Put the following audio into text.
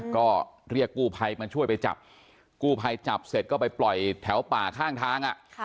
ก็เรียกกู้ภัยมาช่วยไปจับกู้ภัยจับเสร็จก็ไปปล่อยแถวป่าข้างทาง